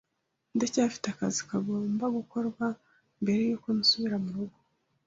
Ndacyafite akazi kagomba gukorwa mbere yuko nsubira murugo.